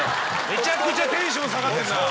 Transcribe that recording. めちゃくちゃテンション下がってるな。